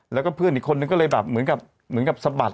แล้วก็เพื่อนอีกคนนึงก็เลยแบบเหมือนกับสะบัด